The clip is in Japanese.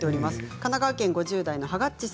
神奈川県５０代の方からです。